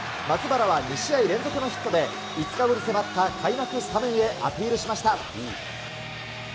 松原は２試合連続のヒットで５日後に迫った開幕スタメンへアピールしました。